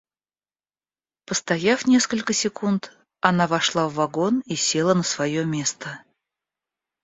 Постояв несколько секунд, она вошла в вагон и села на свое место.